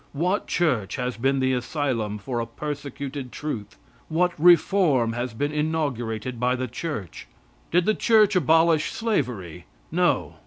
What church has been the asylum for a persecuted truth? What reform has been inaugurated by the Church? Did the Church abolish slavery? No.